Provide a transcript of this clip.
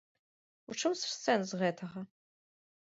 У чым сэнс гэтага?